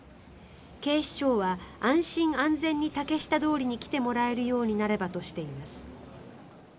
警視庁は安心安全に竹下通りに来てもらえるようになればとしています。